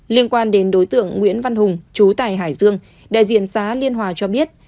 liên quan đến đối tượng nguyễn văn hùng chú tải hải dương đại diện xã liên hòa cho biết